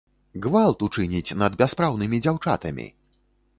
Гвалт учыніць над бяспраўнымі дзяўчатамі!